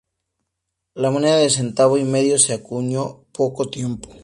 La moneda de centavo y medio se acuñó poco tiempo.